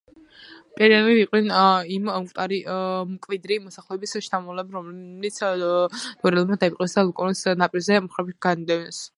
პერიეკები იყვნენ იმ მკვიდრი მოსახლეობის შთამომავალნი, რომელნიც დორიელებმა დაიპყრეს და ლაკონიკეს განაპირა მხარეში განდევნეს.